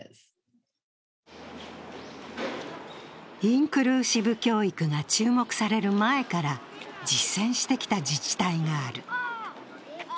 インクルーシブ教育注目される前から実践してきた自治体がある。